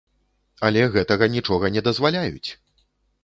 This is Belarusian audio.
Але гэтага нічога не дазваляюць!